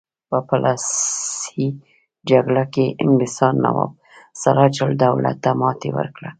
په پلاسۍ جګړه کې انګلیسانو نواب سراج الدوله ته ماتې ورکړه.